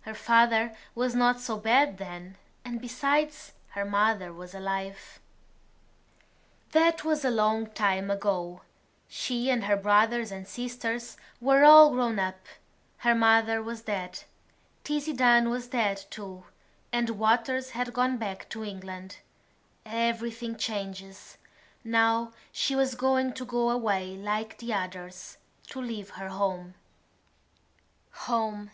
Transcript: Her father was not so bad then; and besides, her mother was alive. That was a long time ago; she and her brothers and sisters were all grown up; her mother was dead. Tizzie Dunn was dead, too, and the Waters had gone back to England. Everything changes. Now she was going to go away like the others, to leave her home. Home!